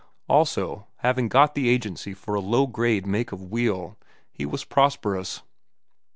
Also, having got the agency for a low grade make of wheel, he was prosperous.